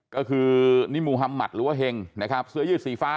ก็คือนิมูฮัมมัติหรือว่าเฮงนะครับเสื้อยืดสีฟ้า